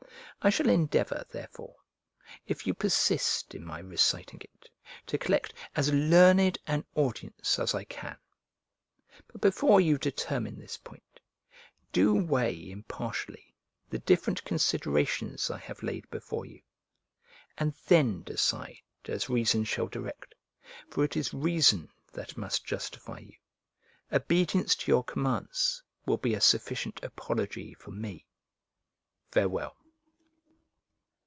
I shall endeavour, therefore, if you persist in my reciting it, to collect as learned an audience as I can. But before you determine this point, do weigh impartially the different considerations I have laid before you, and then decide as reason shall direct; for it is reason that must justify you; obedience to your commands will be a sufficient apology for me. Farewell.